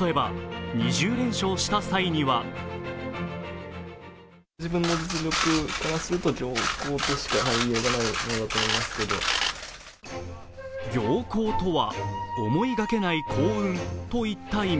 例えば２０連勝した際には僥倖とは思いがけない幸運といった意味。